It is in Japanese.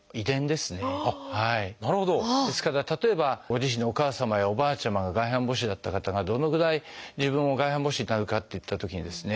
ですから例えばご自身のお母様やおばあちゃまが外反母趾だった方がどのぐらい自分も外反母趾になるかといったときにですね